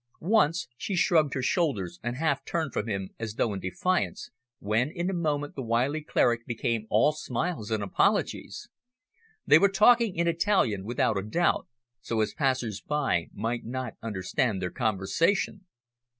Once she shrugged her shoulders, and half turned from him as though in defiance, when in a moment the wily cleric became all smiles and apologies. They were talking in Italian without a doubt, so as passers by might not understand their conversation.